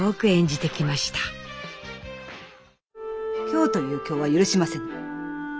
今日という今日は許しません。